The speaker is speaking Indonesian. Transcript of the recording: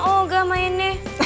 oh gak main nih